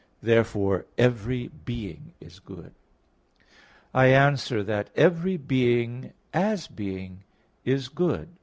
Therefore every being is good. I answer that, Every being, as being, is good.